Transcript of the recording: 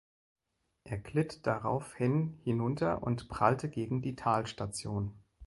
Er glitt daraufhin hinunter und prallte gegen die Talstation.